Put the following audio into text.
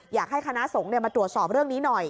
อยากให้คณะสงฆ์มาตรวจสอบเรื่องนี้หน่อย